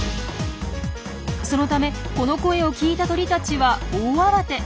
そのためこの声を聞いた鳥たちは大慌て。